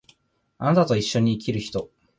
貴方と一緒に生きる人